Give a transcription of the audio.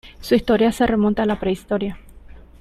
Su historia se remonta a la prehistoria.